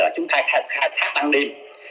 chúng ta khai thác ban đêm